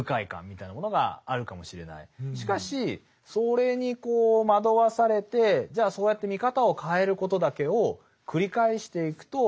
しかしそれに惑わされてじゃあそうやって見方を変えることだけを繰り返していくとどうなってしまうのか。